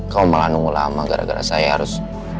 kamu malah nunggu lama gara gara saya harus